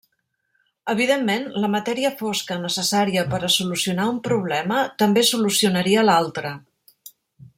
Evidentment, la matèria fosca necessària per a solucionar un problema també solucionaria l'altre.